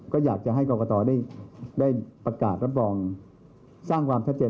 ก็อยากจะให้กรกตได้ประกาศรับรองสร้างความชัดเจน